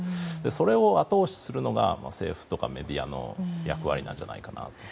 それを後押しするのが政府とかメディアの役割なんじゃないかなと。